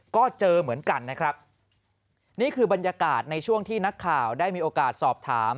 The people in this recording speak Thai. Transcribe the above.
ก็เจอเหมือนกันนะครับนี่คือบรรยากาศในช่วงที่นักข่าวได้มีโอกาสสอบถาม